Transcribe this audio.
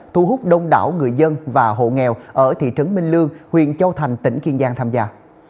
thu hút đông đảo người dân và hộ nghèo ở thị trấn minh lương huyện châu thành tỉnh kiên giang tham gia